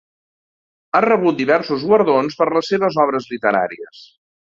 Ha rebut diversos guardons per les seves obres literàries.